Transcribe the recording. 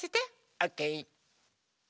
オッケー！